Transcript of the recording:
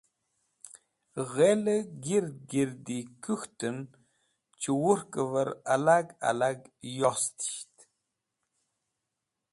Ghẽlẽ gird girdi kũk̃htẽn chẽwurkvẽr alag alag yostisht.